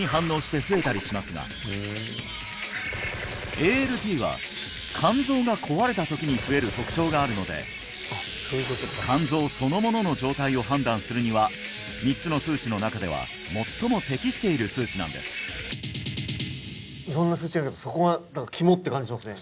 ＡＬＴは肝臓が壊れた時に増える特徴があるので肝臓そのものの状態を判断するには３つの数値の中では最も適している数値なんです色んな数値あるけどそこが肝って感じしますね